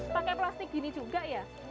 pakai plastik gini juga ya